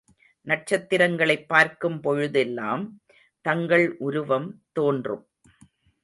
நட்சத்திரங்களைப் பார்க்கும்பொழுதெல்லாம் தங்கள் உருவம் தோன்றும்.